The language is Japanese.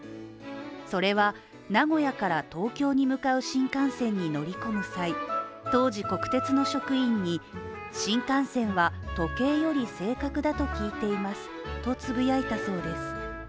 それは名古屋から東京に向かう新幹線に乗り込む際当時国鉄の職員に、新幹線は時計より正確だと聞いていますとつぶやいたそうです。